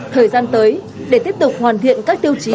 thời gian tới để tiếp tục hoàn thiện các tiêu chí